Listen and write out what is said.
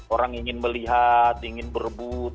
orang ingin melihat ingin berebut